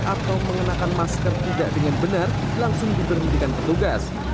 atau mengenakan masker tidak dengan benar langsung diberhentikan petugas